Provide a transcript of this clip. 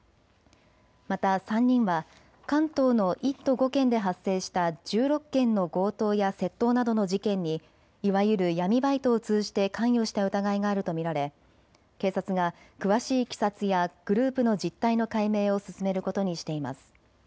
また３人は関東の１都５県で発生した１６件の強盗や窃盗などの事件にいわゆる闇バイトを通じて関与した疑いがあると見られ警察が詳しいいきさつやグループの実態の解明を進めることにしています。